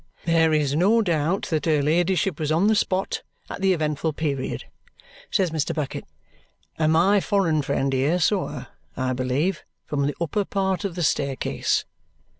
"There is no doubt that her ladyship was on the spot at the eventful period," says Mr. Bucket, "and my foreign friend here saw her, I believe, from the upper part of the staircase.